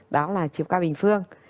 đó là chiều cao bình phương